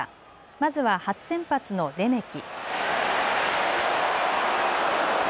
まずは初先発のレメキ。